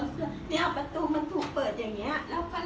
สวัสดีทุกคน